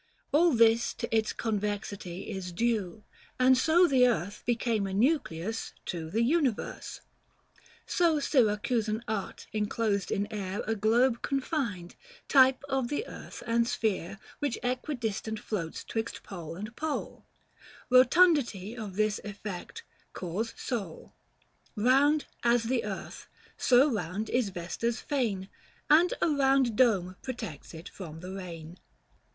All this to its convexity is due, And so the earth became a nucleus to The universe. 330 So Syracusan art enclosed in air A globe confined, type of the earth and sphere Which equidistant floats 'twixt pole and pole — Kotundity of this effect, cause sole. Round as the earth, so round is Vesta's fane, 335 And a round dome protects it from the rain.